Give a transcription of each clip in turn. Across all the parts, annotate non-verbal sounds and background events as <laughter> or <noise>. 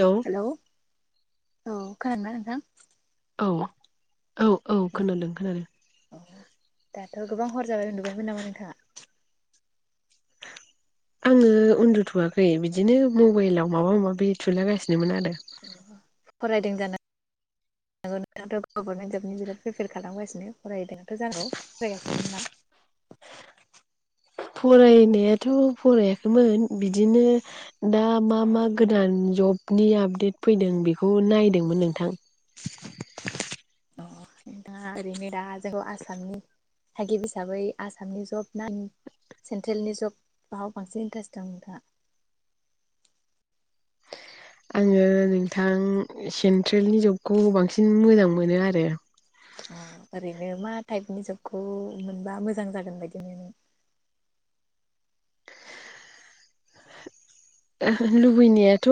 Hello hello औ खनादोंना नोंथां औ औ औ खोनादों खोनादों गोबा हर जाबाय उन्दुबायमोन नामा नोंथाङा आङो उन्दुथ'वाखै बिदिनो मबाइलाव माबा माबि थुलागासिनोमोन आरो फरायदों जानो नोंथ' गभर्मेन्ट जबनि बिराद प्रिपेयार खालामगासिनो फरायदोंथ' जानांगौ फरायगासिनोमोन ना फरायनायाथ' फरायाखैमोन बिदिनो दा मा मा गोदान जबनि आपडेट फैदों बेखौ नायदोंमोन नोंथां अ नोंथाङा ओरैनो दा जोंखौ आसामनि थागिब हिसाबै आसामनि जब ना सेन्ट्रेलनि जबाव बांसिन इन्ट्रेस्ट दं नोंथाङा आङो नोंथां सेन्ट्रेलनि जबखौ बांसिन मोजां मोनो आरो अ ओरैनो मा टाइपनि जबखौ मोनबा मोजां जागोन बिदिनो लुबैनायाथ'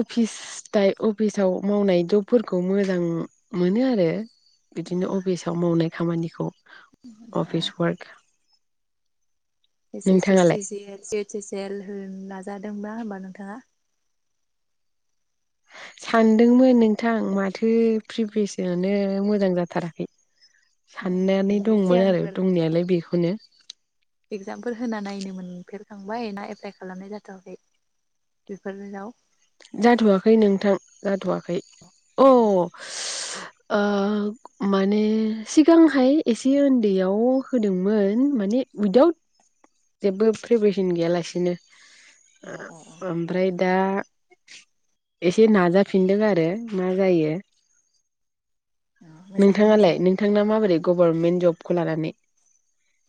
अफिस थाय अफिसाव मावनाय दबफोरखौ मोजां मोनो आरो। बिदिनो अफिसाव मावनाय खामानिखौ दा अफिस वार्क <unintelligible> नोंथाङालाय सिजेल होनो नाजादोंबा होमबा नोंथाङा सानदोंमोन नोंथां माथो प्रिभिसनानो मोजां जाथाराखै साननानै बेनो दंमोन आरो सिगांफोर दंनायालाय बेखौनो एगजामफोर होना नायनोमोनफेर खांबाय ना एप्लाइ खालामनाय जाथ'वाखै बेफोराव जाथ'वाखै नोंथां जाथ'वा खै अ ओ माने सिगांहाय एसे उन्दैयाव होदोंमोन माने उइदाउट जेबो प्रिपेरेसन गैयालासिनो औ औ ओमफ्राय दा एसे नाजाफिनदों आरो मा जायो मोजाङै नोंथाङालाय नाजादो नोंथांना मा बा दि गभारमे जबखौ लानानै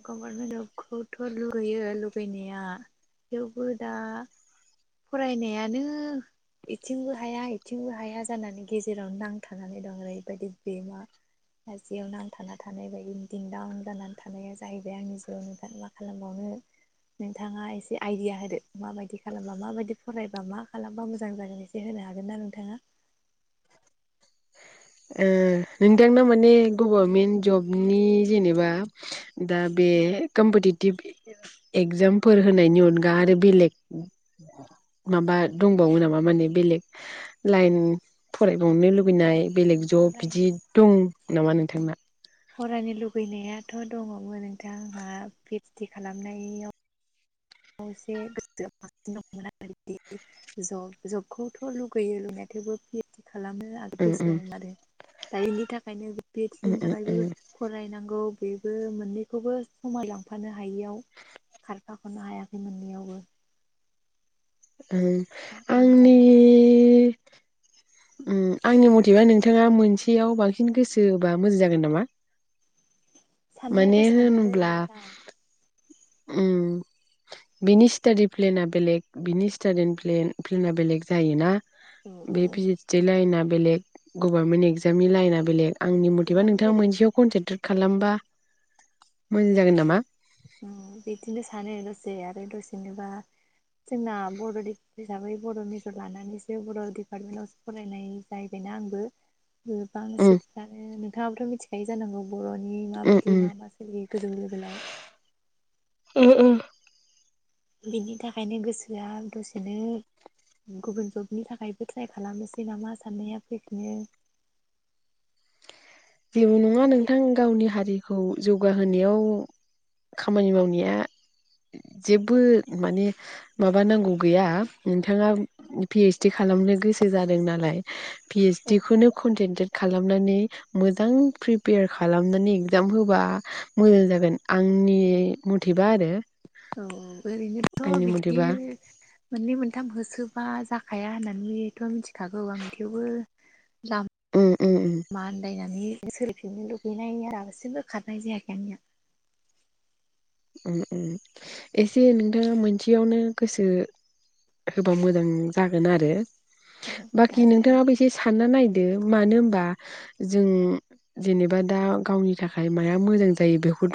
गभारमेन्ट जबखौथ' लुगैयो लुगैनाया थेवबो दा फरायनायानो एथिंबो हाया एथिंबो हाया जानानै गेजेरावनो नांथानानै दं ओरैबायदि बेमा मासेयाव नांथाना थानाय बायदि दिंदउन जानानै थानाया जाहैबाय आंनि जिउआव नोंथाङ मा खालामबावनो नोंथाङा एसे आइदिया होदो माबायदि खालामबा माबायदि फरायबा मा खालामबा मोजां जागोन एसे होनो हागोन ना नोंथाङा ओ नोंथांना माने गभारमेन्ट जबनि जेनेबा दा बे कम्पिटिटिभ एगजामफोर होनायनि अनगा आरो बेलेग माबा दंबावो नामा माने बेलेग लायन फरायबावनो लुबैनाय बेलेग जब फरायनो बिदि दं नामा नोंथांना फरायनो लुुबैनायाथ' दंङमोन नोंथां आंहा पि ओद सदि खालामनायाव एसे गोसो आ बांसिन दंमोन आरो जब जबखौथ' लुगैयो लुगैनाय थेवबो पि ओद सदि खालामनो आरो उम गोसो दं उम मोन आरो दा बेनि थाखायनो पि ओद उम सदिनि थाखायबो उम फरायनांगौ बेबो मोननैखौबो समान लांफानो हायियाव खारफाखनो हाया बे मोननैयावबो अम उन आंनि जानानै दं अम आंनि मथेबा नोंथाङा मोनसेयाव बांसिन गोसोहोबा मोजां जागोन नामा। माने साननायाथ' सानोलै होनोब्ला नोंथां अम बिनि स्टाडि प्लेना बेलेग बिनि स्टाडिनि प्लेनआ बेलेग जायो ना औ बे औ पि ओद सदिनि लायाना बेलेग गभारन एगक्जामनि लायनना बेलेग आंनि मथेबा गोबां नोंथाङा बेलेग मोनसेयाव जों कन्ट्रेकटार खालामबा मोजां जागोन नामा अम बिदिनो सानो दसे आरो दसेनोबा जोंना बर'हिसाबै बर' मेजर लानानैसो बर' डिपार्टमेन्टावसो फरायनाय जाहैबायना आंबो गोबां उम सेबफ्रानो होनो नोंथांयाबोथ मिथिखायो जानांगौ बर'नि उम माबायदि मा मा सोलियो गोजौ लेभेलाव ओ ओ बिनि थाखायनो गोसोआ दसेनो गुबुन जबनि थाखायबो ट्राइ खालामनोसै नामा साननाया फैफिनो जेबो नङा थारगेट नोंथां गावनि हारि खौ जौगाहोनायाव खामानि मावनाया जेबो माने माबा नांगौ गैया नोंथाङा पिओइसडि खालामनो गोसो जादों नालाय औ पिओइसडि खौनो कन्टेन्टे खालामनानै मोजां प्रिपेयार खालामनानै एगजाम होबा मोजां जागोन आंनि मथेबा आरो औ ओरैनोथ' आंनि बिदि मथेबा मोननै मोनथाम होसोब मा जाखाया होननानैथ' मिथिखागौ आं थेवबो लाम उम उम उम माआन्दायनानै सोलाइफिनो लुगैनायनाया दासिमबो खारनाय जायाखै आंनिया उम उम एसे नोंथाङा मोनसेयावनो गोसो होबा मोजां जागोन आरो बाखि नाजालां नोंथाङाबो एसे सानना नाय दो मानो होनबा जों जेनेबा दा गावनि थाखाय माया मोजां जायो बेखौथ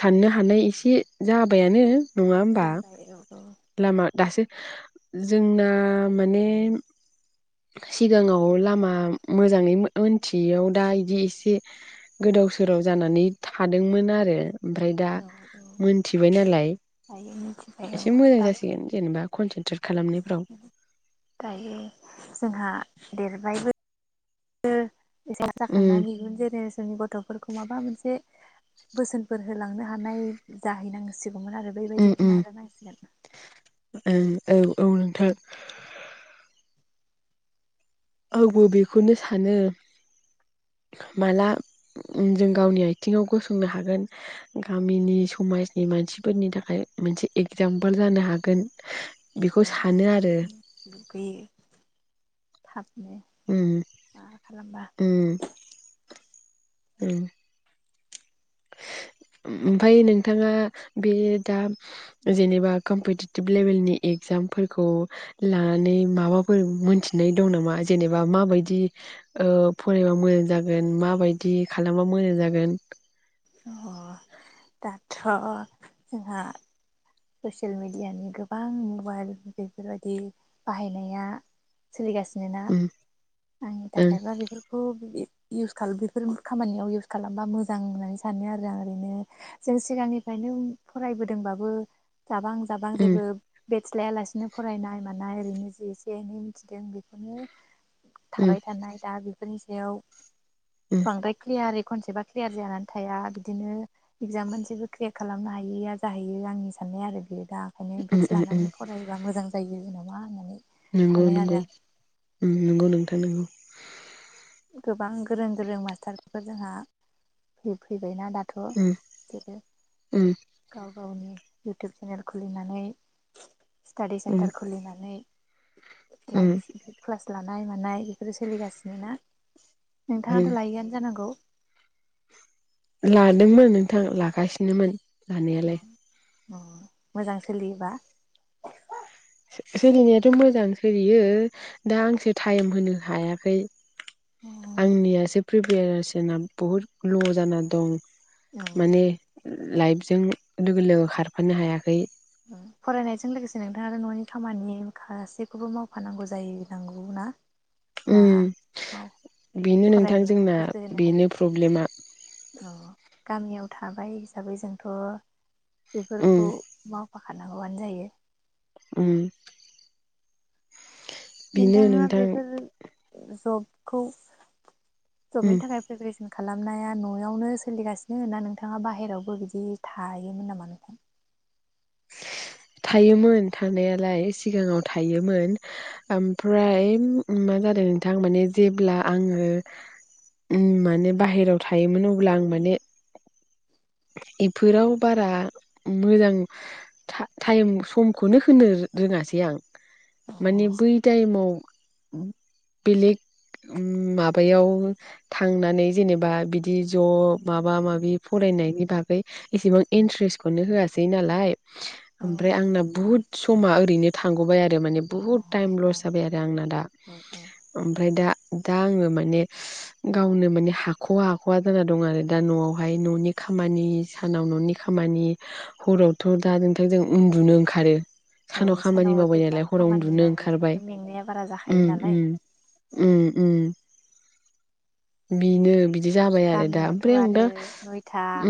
साननो हानाय एसे जाबायानो नङा होमबा जाबाय औ औ लामा दासो जोंना माने सिगाङाव लामा मोजाङै मो मोनथियैयाव दा इदि एसे गोदाव सोराव जानानै थादोंमोन आरो ओमफ्राय दा औ औ मोनथिबाय नालाय दायो मिथिबाय औ एसे मोजां दा जासिगोन जेनेबा खनसे दायो जोंहा देरबायबो ओ एसा उम जाखांनानै जेनेरेसननि गथ'फोरखौ माबा मोनसे बोसोनफोर होलांनो हानाय जाहैनांसि दंगोन आरो उम बैबायदिखौ नाजानांसिगोना उम औ औ नोंथां आंबो बेखौनो सानो माला जों गावनि आथिङाव गसंनो हागोन गामिनि समाजनि मानसिफोरनि थाखाय मोनसे एगजामपोल जानो हागोन बेखौ औ औ सानो आरो थाब दे उम माबा खालामबा उम उम ओमफफाय नोंथाङा बे दा जेनेबा कम्पिटिटिभ लेभेलनि एगजामफोरखौ लानानै माबाफोर मोनथिनाय दं नामा जेनेबा माबायदि फरायबा ओ मोजां जागोन माबायदि खालामबा मोजां जागोन अ दााथ' जोंहा ससियेल मिडियानि गोबां मबाइल बेफोरबायाददि बाहायनाया सोलिगासिनो ना उम आंनि ओं थाखायबा बेफोरखौ बि इउस बेफोर खामानियाव इउस खालामबा मोजां होननानै सानो आरो आं ओरैनो जों सिगांनिफ्रायनो फरायबोदोंबाबो जाबां जाबां उम जेबो बेस लायालासिनो फरायनाय मा ना ओरैनो जे एसे एनै मिथिदों बेखौनो उम थाबाय थानाय दा बे फोरनि सायाव उम बांद्राय फोया आरो कनसेपया क्लियार जानानै थाया बिदिनो इगजाम मोनसेबो क्लिक खालामनो हायैया जाहैयो आंनि साननाय आरो बेयो दा ओंखायनो उम बेटस उम उम लानानै फरायायोब्लाा मोजां जायो। नामा होननानै नंगौ सानो नंगौ आरो आं नंगौ उम नोंथां नंगौ। गोबां गोरों गोरों मास्टारफोर जोंहा फैबायना दा उम गथ' <unintelligible> उम गाव गावनि इउटुब चेनेल खुलिनानै स्टाडि उम सेन्टार खुलिनानै उम लाइभ क्लास लानाय मानाय बेफोरो सोलिगासिनो ना उम नोंथाङाथ' लायैआनो जानांगौ लादोंमोन नोंथां लागासिनोमोन। अ लानायालाय अ मोजां सोलियोबा? सोलिनायाथ' मोजां सोलियो दा आंसो टाइम होनो हायाखै। आंनिया एसे प्रिपेरेशना बुहुद ल' जाना दं। माने लाइफजों लोगो लोगो खारफानो हायाखै। फरायनायजों लोगोसे नोंथाङानो न'नि खामानि गासैखौबो मावफानांगौ जायो नांगौ ना? ना औ उम बेनो नोंथां फरायनायाव जोंना गोसो होनो हायो बेनो प्रब्लेमा। औ गामियाव थाबाय हिसाबै जोंथ' उम बेफोरखौ मा खानांगौआनो जायो। उम। बेनो नोंथाङा नोंथां बेफोर जब खौ उम जबनि थाखाय प्रिपारेसन खालामनाया न'आवनो सोलिगासिनोना नोंथाङा बाहेरायावबो बिदि थायोमोन नामा नोंथां थायोमोन थानायालाय सिगाङाव थायोमोन ओमफ्राय मा जादों नोंथां माने जेब्ला आङो माने बाहेरायाव था बेफोराव बारा मोजां टाइम समखौनो होनो रोङासै आं माने बै टाइमाव बेलेग माबायाव थांनानै जेनेबा बिदि ज' माबा माबि फरायनाय बेनि बागै एसेबां इन्ट्रेस्टखौनो होआसै नालाय औ ओमफ्राय आंना बुहुत समा ओरैनो थांग'बाय आरो माने बुहुद टाइम लस जाबाय आरो आंना दा ओमफ्राय दा दा आङो माने गावनो माने हाख'वा हाख'वा जाना दं आरो दा न'आवहाय न'नि खामानि सानाव न'नि खामानि हरावथ' दा नोंथांजों उन्दुनो ओंखारो औ सानाव खामानि मावबाय जेब्ला नालाय हराव खामानि उन्दुनो ओंखारबाय मावोब्लाथ' मेंनाया बारा उम जाखायो नालाय उम उम उम बिनो बिदि जाबाय आरो दा ओमफ्राय आं दा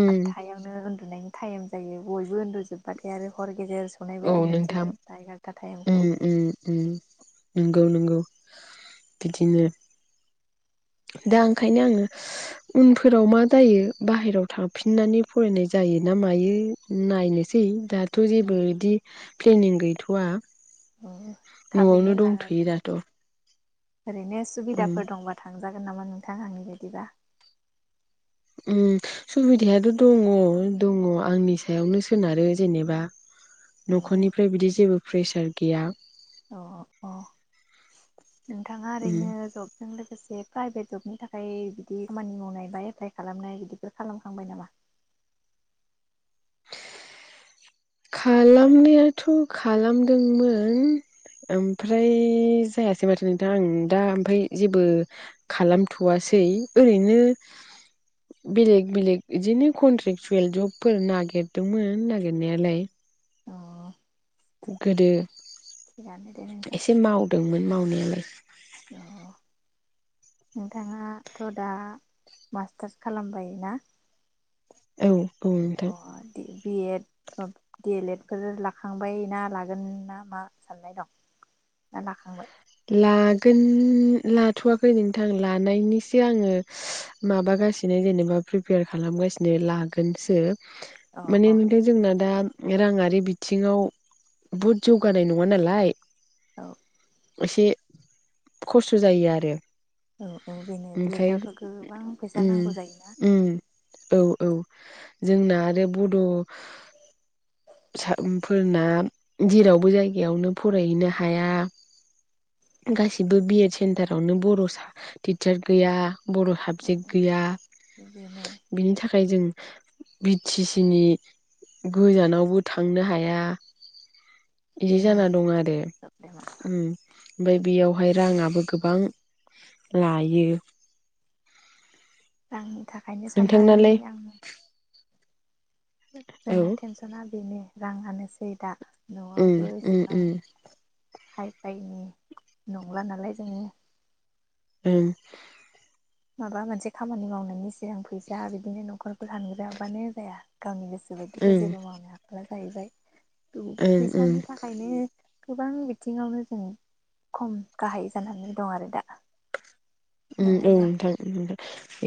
उम उन्दुनायनि टाइम जायो बयबो उन्दुजोबबाथाय आरो हर गेजेर सनाय औ बायदि मोनसै नोंथां दसथा एगार'था टाइमखौ उम उम उम नोंगौ औ नंगौ बिदिनो दा ओंखायनो आङो उनफोराव मा जायो बाहेरायाव थांफिननानै फरायनाय जायो ना मायो नायनोसै दा थ' जेबो औ बिदि प्लेनिं गैथ'वा थाबैनो न'आवनो ला दंथ'यो दाथ' ओरैनो उम सुबिदाफोर दंबा थांजागोन नामा नों थां आंनि बायदिबा उम सुबिदायाथ' दङ दङ आंनि सायावनो सोनारो जेनेबा नख'निफ्राय बिदि जेबो प्रेसार गैया अ अ नोंथाङा उम ओरैनो जबजों लो माखासे प्राइभेट जबनि थाखाय बिदि खामानि मावनाय बा एप्लाइ खालामनाय बिदिफोर खालामखांबाय नामा। खालामनायाथ' खालामदोंमोन ओमफ्राय जायासै माथो नोंथां आं दा ओमफ्राय जेबो खालामथ'वासै ओरैनो बेलेग बेलेग बिदिनो कन्ट्रेक्सुयेल जबफोर नागिरदोंमोन नागिरनायालाय। अ गोदो। थिगानो दे नोंथां एसे मावदोंमोन माव लाय अ नोंथाङाथ' दा मास्टार्स खालामबायना। औ नोंथां अ B Ed D El Ed. बेफोर लाखांबाय ना लागोन ना मा साननाय दं ना लाखांबाय। लागोन लाथ'वाखै नोंथां लानायनिसो आङो माबागासिनो जेनेबा प्रिपेयार खालामगासिनो लागोनसो। अ माने ओनफाय जोंना दा। राङारि बिथिङाव बहुद जौगानाय नङा नालाय। औ। एसे खस्थ' जायो आरो औ औ बेनो ओमफ्राय बेदिआवथ' गोबां फैसा उम नांगौ जायोना। उम औ औ जोंना आरो बड' सा उम फोरना जेरावबो जायगायावनो फरायहैनो हाया गासिबो बि एड सेन्टारावनो बर' सा टिचार गैया। बर' साबजेक्ट औ गैया बेनो बिनि थाखाय जों बि टि सि नि गोजानावबो थांनो हाया। बिदि बेनो जाना दं आरो प्रब्लेमा उम ओमफाय बेयावहाय राङाबो गोबां लायो। जां थाखायनो साननानै नोंथांनालाय आङो औ जोंना टेनसना बेनो राङानोसै दा। उम न'आवबो उम एसेबां उम हायफायनि नंला नालाय जोङो। उम माबा मोनसे खामानि मावनायनि सि गां फैसा बिदिनो न'खर सानग्रोआबानो जाया गावनि गोसो बायदिथ' ओं जेबो मावनो हाख्ला जाहैबाय। ओं ओं फैसानि थाखायनो गोबां बिथिङावनो जों खम गाहाय जानानै दं आरो दा। उम औ नङाब्ला नोंथां।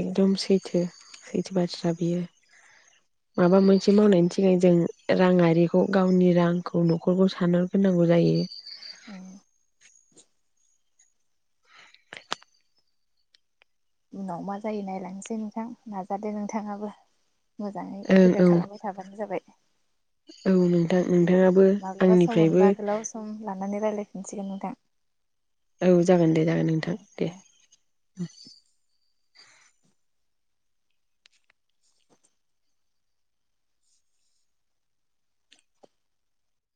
एकदम सैथो सैथो बाथ्रा बियो माबा मोनसे मावनायनि सिगां जों राङारिखौ गावनि रांखौ न'खरखौ सानगोरनांगौ जायो। औ। उनाव मा जायो नायलांसै नोंथां नाजादो नोंथांआबो। मोजाङै ओं प्रिपेयार औ खालामबाय थाबानो जाबाय औ नोंथां नोंथाङाबो माब्लाबा सम आंनिफ्रायबो मोनबा गोलाव सम लानानै रायलाय मिथिगोन नोंथां। औ जागोन दे जागोन नोंथां दे। उम।